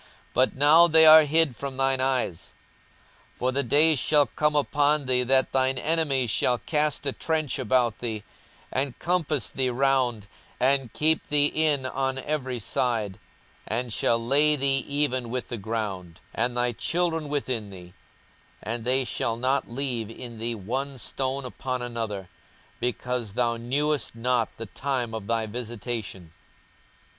but now they are hid from thine eyes. 42:019:043 For the days shall come upon thee, that thine enemies shall cast a trench about thee, and compass thee round, and keep thee in on every side, 42:019:044 And shall lay thee even with the ground, and thy children within thee; and they shall not leave in thee one stone upon another; because thou knewest not the time of thy visitation.